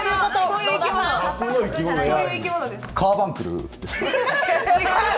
カーバンクル？